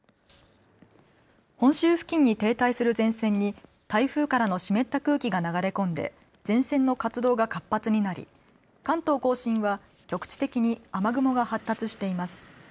本州付近に停滞する前線に台風からの湿った空気が流れ込んで前線の活動が活発になり関東・甲信は局地的に雨雲が発達しています。